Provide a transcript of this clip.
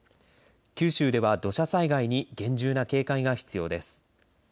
九州では土砂災害に厳重な警戒が必要です。